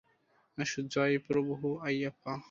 জয় প্রভু আইয়াপা!